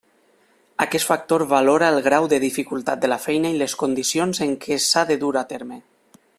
Aquest factor valora el grau de dificultat de la feina i les condicions en què s'ha de dur a terme.